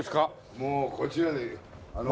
もうこちらにあの。